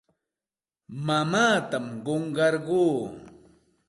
Mamaatam qunqarquu.